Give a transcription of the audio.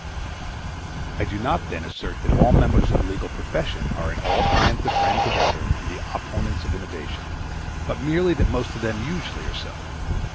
I do not, then, assert that all the members of the legal profession are at all times the friends of order and the opponents of innovation, but merely that most of them usually are so.